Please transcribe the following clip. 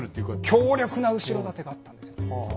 強力な後ろ盾があったんですよね。